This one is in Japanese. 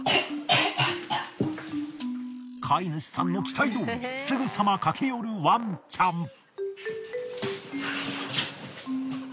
飼い主さんの期待どおりすぐさま駆け寄るワンちゃん。